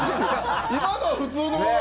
今のは普通の。